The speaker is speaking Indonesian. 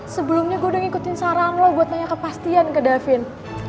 sebelumnya gue udah ngikutin saran lo buat nanya kepastian ke davin